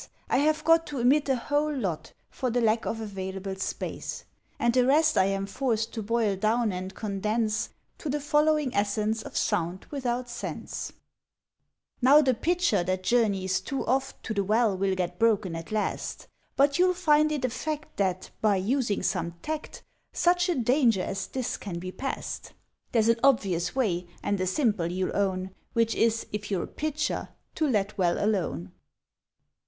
I have got To omit a whole lot, For the lack of available space; And the rest I am forced to boil down and condense To the following Essence of Sound without Sense: Now the Pitcher that journeys too oft To the Well will get broken at last. But you'll find it a fact That, by using some tact, Such a danger as this can be past. (There's an obvious way, and a simple, you'll own, Which is, if you're a Pitcher, to Let Well alone.)